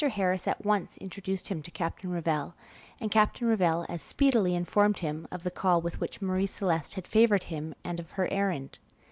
Harris at once introduced him to Captain Revell, and Captain Revell as speedily informed him of the call with which Marie Celeste had favored him and of her errand.